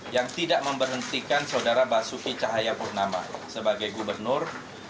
yang tidak memberhentikan saudara basuki cahaya purnama sebagai gubernur